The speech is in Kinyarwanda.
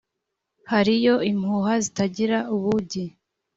hariyo impuha zitagira ubugi